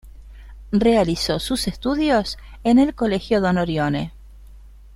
Realizó sus estudios en el Colegio Don Orione.